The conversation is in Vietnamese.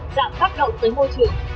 giảm phát động tới môi trường